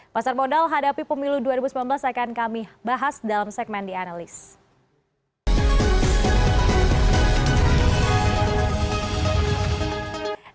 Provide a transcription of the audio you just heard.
pasar modal hadapi pemilu dua ribu sembilan belas akan kami bahas dalam segmen the analyst